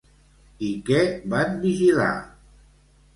I què van vigilar?